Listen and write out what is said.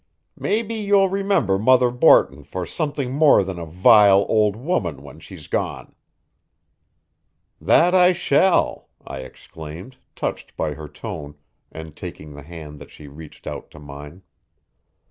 Maybe you'll remember Mother Borton for something more than a vile old woman when she's gone." "That I shall," I exclaimed, touched by her tone, and taking the hand that she reached out to mine.